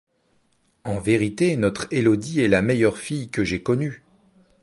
En vérité, notre Élodie est la meilleure fille que j'ai connue !